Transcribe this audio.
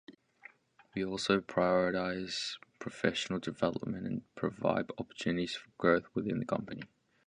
We also prioritize professional development and provide opportunities for growth within the company.